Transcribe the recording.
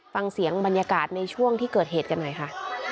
ฟังเสียงบรรยากาศในช่วงที่เกิดเหตุกันหน่อยค่ะ